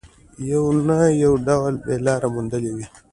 يو نه يو ډول به مې لاره موندلې وای.